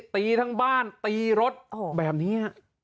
ตีทั้งบ้านตีรถแบบนี้